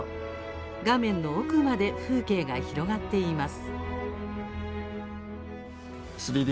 画面の奥まで風景が広がっています。